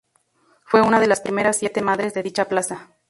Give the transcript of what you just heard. Fue una de las primeras siete madres de dicha plaza.